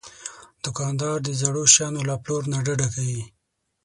دوکاندار د زړو شیانو له پلور نه ډډه کوي.